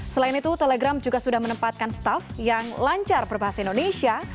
selain itu telegram juga sudah menempatkan staff yang lancar berbahasa indonesia